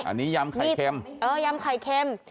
อันนี้ยำไข่เค็ม